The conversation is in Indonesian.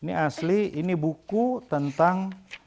ini asli ini buku tentang